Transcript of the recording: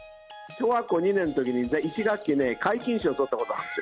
小学校２年のときに１学期ね、皆勤賞取ったことあるんですよ。